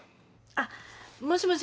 あっ。